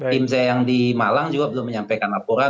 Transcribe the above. tim saya yang di malang juga belum menyampaikan laporan